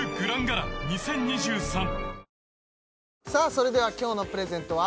それでは今日のプレゼントは？